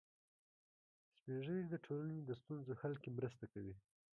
سپین ږیری د ټولنې د ستونزو حل کې مرسته کوي